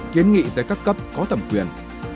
kiến nghị tới các cấp có thẩm quyền